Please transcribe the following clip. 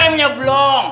mas jaki yuk ikut